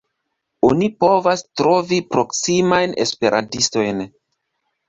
Oni povas trovi proksimajn esperantistojn.